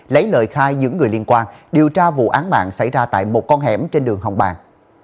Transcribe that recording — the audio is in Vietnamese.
lấy lời khai những người liên quan điều tra vụ án mạng xảy ra tại một con hẻm trên đường hồng bàng